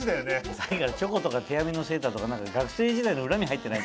さっきからチョコとか手編みのセーターとか学生時代の恨み入ってない？